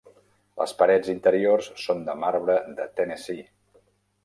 Les parets interiors són de marbre de Tennessee.